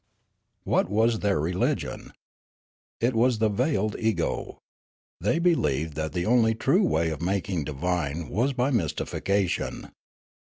What was their religion ? It was the Veiled Ego. They believed that the only true way of making divine was by mystification.